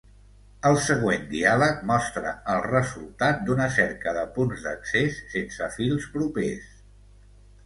El següent diàleg mostra el resultat d'una cerca de punts d'accés sense fils propers.